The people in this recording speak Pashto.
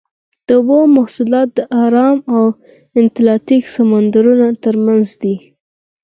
د اوبو مواصلات د ارام او اتلانتیک سمندرونو ترمنځ دي.